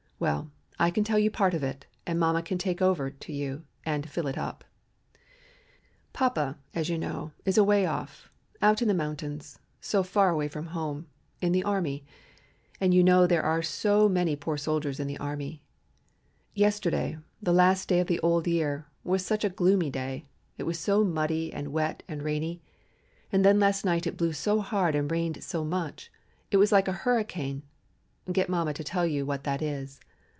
Well, I can tell you part of it, and mamma can tell it over to you and fill it up. "Papa, you know, is away off, out in the mountains, so far away from home, in the army, and you know there are so many poor soldiers in the army. Yesterday, the last day of the old year, was such a gloomy day, it was so muddy and wet and rainy. And then last night it blew so hard and rained so much; it was like a hurricane (get mamma to tell you what that is).